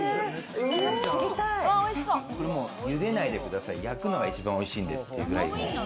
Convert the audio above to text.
茹でないでください、焼くのが一番美味しいんでというくらい。